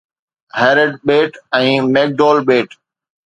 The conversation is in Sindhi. هيرڊ ٻيٽ ۽ ميڪ ڊول ٻيٽ